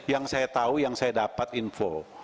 yang saya tahu yang saya dapat info